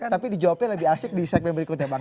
tapi di jawabnya lebih asik di segmen berikutnya bang